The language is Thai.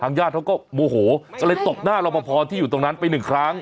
ทางญาติเขาก็โมโหเลยตกหน้ารับประพอที่อยู่ตรงนั้นไปหนึ่งครั้ง